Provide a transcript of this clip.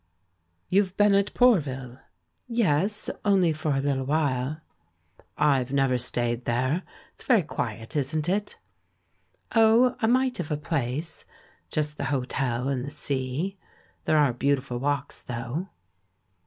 "You've been at Pourville?" "Yes. Only for a little while." THE RECONCILIATION 377 "I've never stayed there. It's very quiet, isn't it?" "Oh, a mite of a place, just the hotel and the sea. There are beautiful walks, though."